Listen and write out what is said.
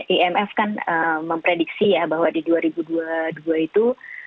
imf kan memprediksi ya bahwa di dua ribu dua puluh dua itu